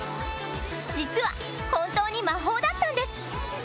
実は本当に魔法だったんです！